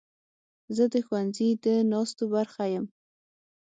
زه د ښوونځي د ناستو برخه یم.